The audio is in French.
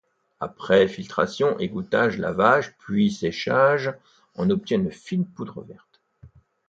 Après filtration, égouttage, lavage, puis séchage, on obtient une fine poudre verte.